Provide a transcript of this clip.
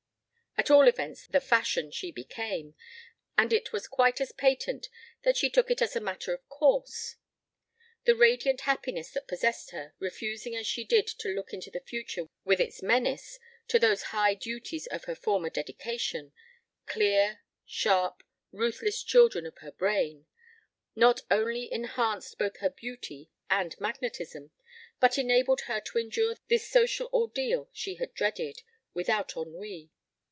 At all events the fashion she became, and it was quite as patent that she took it as a matter of course. The radiant happiness that possessed her, refusing as she did to look into the future with its menace to those high duties of her former dedication clear, sharp, ruthless children of her brain not only enhanced both her beauty and magnetism, but enabled her to endure this social ordeal she had dreaded, without ennui.